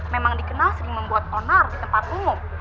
memang dikenal dengan memiliki honor di tempat umum